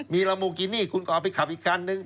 มีลาโมกินี่คุณก็เอาไปขับอีกคันนึง